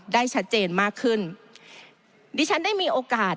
ได้ชัดเจนมากขึ้นดิฉันได้มีโอกาส